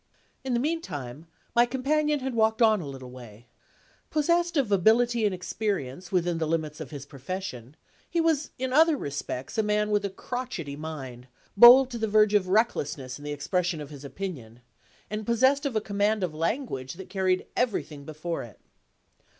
In the meantime, my companion had walked on a little way. Possessed of ability and experience within the limits of his profession, he was in other respects a man with a crotchety mind; bold to the verge of recklessness in the expression of his opinion; and possessed of a command of language that carried everything before it.